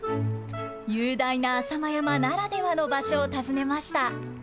雄大な浅間山ならではの場所を訪ねました。